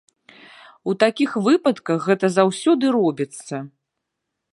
У такіх выпадках гэта заўсёды робіцца.